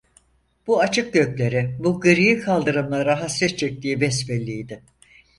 Bu açık göklere, bu gri kaldırımlara hasret çektiği besbelliydi.